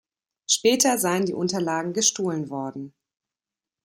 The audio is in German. Später seien die Unterlagen gestohlen worden.